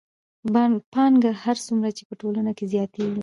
پانګه هر څومره چې په ټولنه کې زیاتېږي